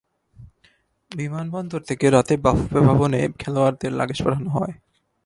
বিমানবন্দন থেকে রাতে বাফুফে ভবনে খেলোয়াড়দের লাগেজ পাঠানো হয়।